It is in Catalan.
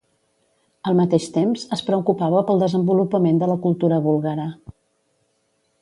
Al mateix temps, es preocupava pel desenvolupament de la cultura búlgara.